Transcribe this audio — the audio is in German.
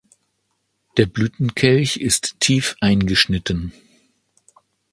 Der Blütenkelch ist tief eingeschnitten.